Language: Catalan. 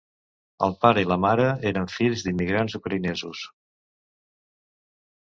El pare i la mare eren fills d'immigrants ucraïnesos.